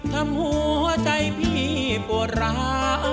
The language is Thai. ทำหัวใจพี่ปวดร้า